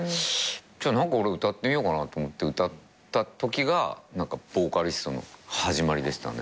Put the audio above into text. じゃあ俺歌ってみようかなと思って歌ったときがボーカリストの始まりでしたね。